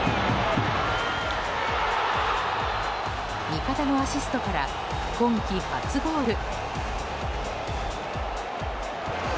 味方のアシストから今季初ゴール！